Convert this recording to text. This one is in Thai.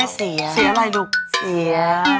เสียอะไรลูกเสีย